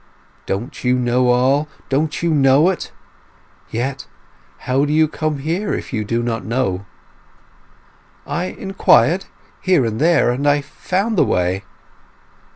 "Don't you know all—don't you know it? Yet how do you come here if you do not know?" "I inquired here and there, and I found the way."